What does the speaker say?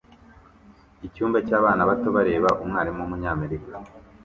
Icyumba cyabana bato bareba umwarimu wumunyamerika